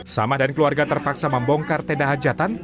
sama dan keluarga terpaksa membongkar tenda hajatan